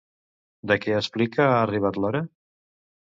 De què explica ha arribat l'hora?